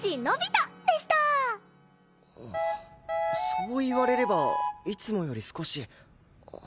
そう言われればいつもより少し。